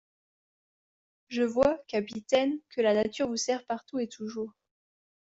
Je vois, capitaine, que la nature vous sert partout et toujours.